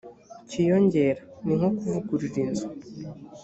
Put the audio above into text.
kiyongera ni nko kuvugurura inzu